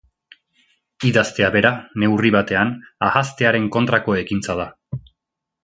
Idaztea bera, neurri batean, ahaztearen kontrako ekintza da.